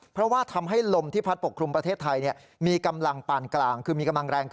เพราะว่าทำให้ลมที่พัดปกครุมประเทศไทยมีกำลังป้างกลาง